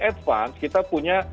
advance kita punya